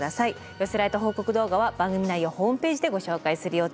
寄せられた報告動画は番組内やホームページでご紹介する予定です。